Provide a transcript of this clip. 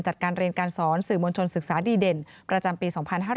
จัดการเรียนการสอนสื่อมวลชนศึกษาดีเด่นประจำปี๒๕๕๙